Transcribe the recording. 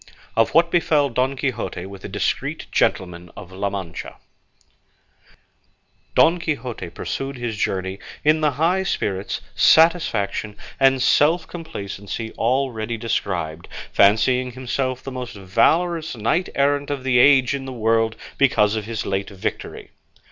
OF WHAT BEFELL DON QUIXOTE WITH A DISCREET GENTLEMAN OF LA MANCHA Don Quixote pursued his journey in the high spirits, satisfaction, and self complacency already described, fancying himself the most valorous knight errant of the age in the world because of his late victory.